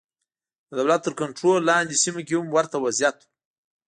د دولت تر کنټرول لاندې سیمو کې هم ورته وضعیت و.